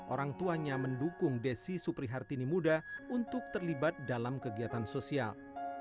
orang tuanya mendukung desi suprihartini muda untuk terlibat dalam kegiatan sosial